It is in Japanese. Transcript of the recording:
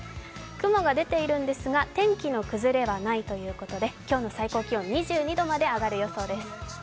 雲が出ているんですが、天気の崩れはないということで今日の最高気温２２度まで上がる予想です。